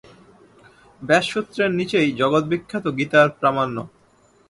ব্যাসসূত্রের নীচেই জগদ্বিখ্যাত গীতার প্রামাণ্য।